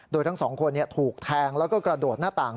โดยทั้งสองคนถูกแทงแล้วก็กระโดดหน้าต่าง